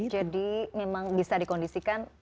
jadi memang bisa dikondisikan